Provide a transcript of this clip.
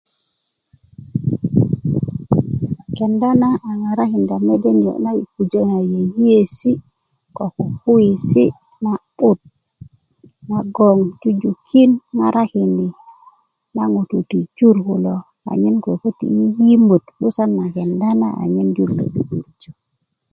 kenda a ŋarakinda mede niyo na i pujö na yeiyesi ko kukuwis na'but nagon jujukin ŋarakini na ŋutu ti jur kulo anyen ko köti yiyimot 'busa na kenda na anyen 'du'durjö